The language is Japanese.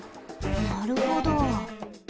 なるほど。